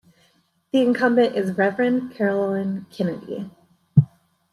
The incumbent is Reverend Carolyn Kennedy.